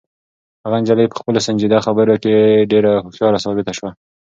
هغه نجلۍ په خپلو سنجیده خبرو کې ډېره هوښیاره ثابته شوه.